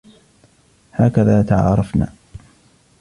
هكذا تعارفنا.